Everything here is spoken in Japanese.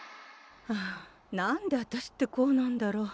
はあ何であたしってこうなんだろう。